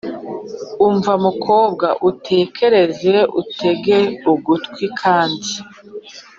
Umva mukobwa utekereze utege ugutwi Kandi